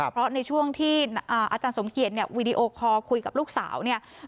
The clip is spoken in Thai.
เพราะในช่วงที่อาจารย์สมเกียจเนี่ยวีดีโอคอร์คุยกับลูกสาวเนี่ย